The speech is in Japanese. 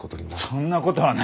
そんなことはない！